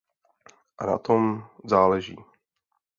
A na tom záleží.